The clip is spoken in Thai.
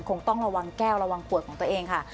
คงต้องระวังแก้วระวังขวดของตัวเองค่ะ